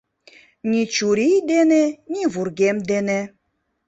Ни чурий дене, ни вургем дене.